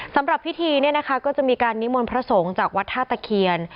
สำหรับพิธีเนี่ยนะคะก็จะมีการนิมนต์พระสงฆ์จากวัดท่าตะเคียน